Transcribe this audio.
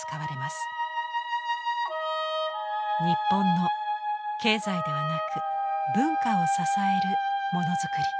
日本の経済ではなく文化を支えるものづくり。